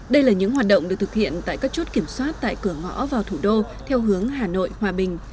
đây là những hoạt động được thực hiện tại các chốt kiểm soát tại cửa ngõ vào thủ đô theo hướng hà nội hòa bình